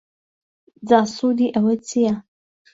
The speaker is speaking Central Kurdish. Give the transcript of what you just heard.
جا سوودی ئەوە چیە؟